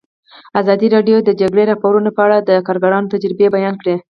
ازادي راډیو د د جګړې راپورونه په اړه د کارګرانو تجربې بیان کړي.